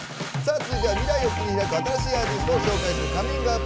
続いては、未来を切り開く新しいアーティストを紹介する「ＣｏｍｉｎｇＵｐ！」。